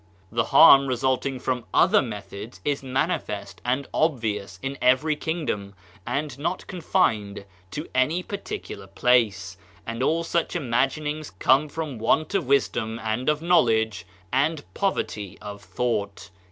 The harm resulting from other methods is manifest and obvious in every kingdom, and not confined to any particular place; and all such imaginings come from want of wisdom and of knowledge and poverty of thought.